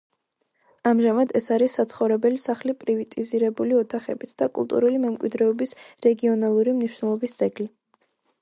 ამჟამად ეს არის საცხოვრებელი სახლი პრივატიზირებული ოთახებით და კულტურული მემკვიდრეობის რეგიონალური მნიშვნელობის ძეგლი.